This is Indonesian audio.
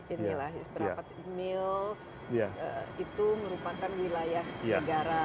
itu merupakan wilayah negara